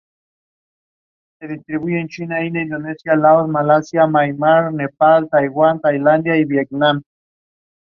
The park can also be accessed by air.